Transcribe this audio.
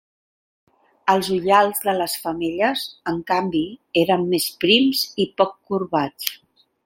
Els ullals de les femelles, en canvi, eren més prims i poc corbats.